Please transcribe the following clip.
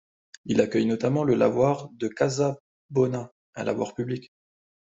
Il accueille notamment le lavoir de Casabona, un lavoir public.